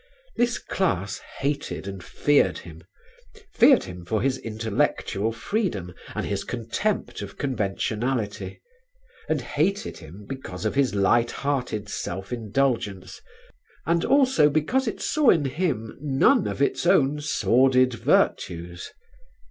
This class hated and feared him; feared him for his intellectual freedom and his contempt of conventionality, and hated him because of his light hearted self indulgence, and also because it saw in him none of its own sordid virtues.